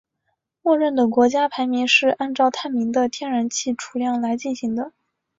默认的国家排名是按照探明的天然气储量来进行的。